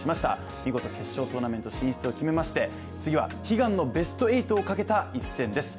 見事決勝トーナメント進出を決めまして次は悲願のベスト８をかけた一戦です。